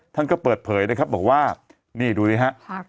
ท่านก็เปิดเผยนะครับบอกว่านี่ดูสิฮะ